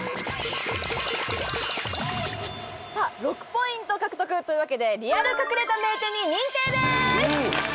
さあ６ポイント獲得というわけでリアル隠れた名店に認定です！